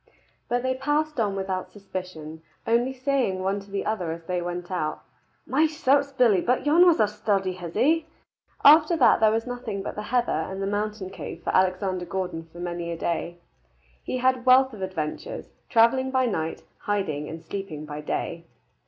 But they passed on without suspicion, only saying one to the other as they went out, "My certes, Billy, but yon was a sturdy hizzie!" After that there was nothing but the heather and the mountain cave for Alexander Gordon for many a day. He had wealth of adventures, travelling by night, hiding and sleeping by day.